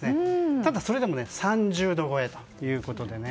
ただ、それでも３０度超えということです。